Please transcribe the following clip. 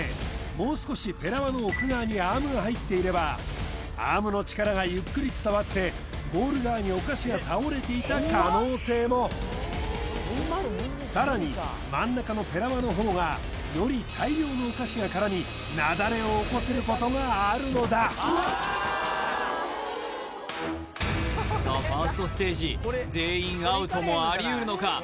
もう少しペラ輪の奥側にアームが入っていればアームの力がゆっくり伝わってゴール側にお菓子が倒れていた可能性もさらに真ん中のペラ輪のほうがより大量のお菓子が絡み雪崩を起こせることがあるのださあファーストステージ全員アウトもありうるのか？